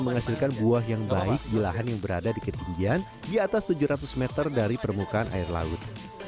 menghasilkan buah yang baik di lahan yang berada di ketinggian di atas tujuh ratus meter dari permukaan air laut